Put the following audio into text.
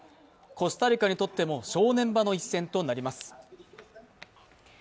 コスタリカにとっても正念場の一戦となります。